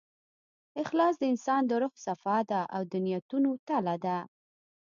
اخلاص د انسان د روح صفا ده، او د نیتونو تله ده.